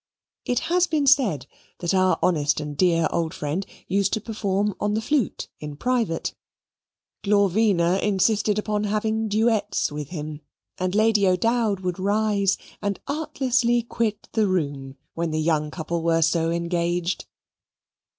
It has been said that our honest and dear old friend used to perform on the flute in private; Glorvina insisted upon having duets with him, and Lady O'Dowd would rise and artlessly quit the room when the young couple were so engaged.